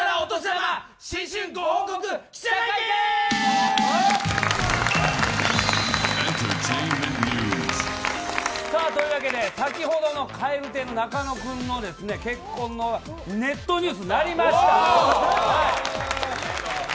というわけで先ほどの蛙亭の中野君の結婚ネットニュースになりました！